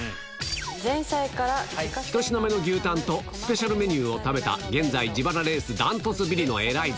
１品目の牛タンとスペシャルメニューを食べた、現在自腹レースダントツビリのエライザ。